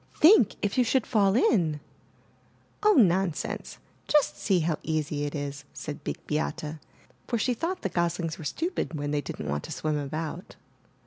Think, if you should fall in!" *'0h, nonsense; just see how easy it is," said Big Beate, for she thought the goslings were stupid when they didn't want to swim about.